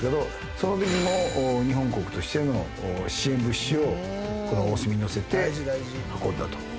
そのときにも日本国としての支援物資をこのおおすみに載せて運んだと。